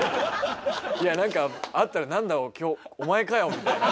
いや何か会ったら「何だ今日お前かよ」みたいな。